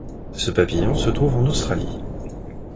Ce papillon se trouve en Australie.